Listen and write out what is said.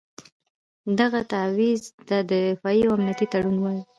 دغه تعویض ته دفاعي او امنیتي تړون وایي.